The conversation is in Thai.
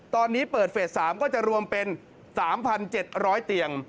ตอนนี้เปิดเฟส๓ก็จะรวมเป็น๓๗๐๐เตียง